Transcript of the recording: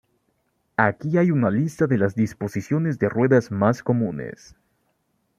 Aquí hay una lista de las disposiciones de ruedas más comunes.